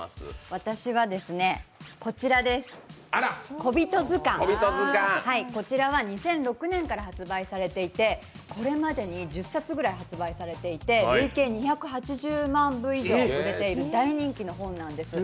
私は「こびとづかん」、こちらは２００６年から発売されていて、これまでに１０冊ぐらい発売されていて累計２８０万部以上売れている大人気の本なんです。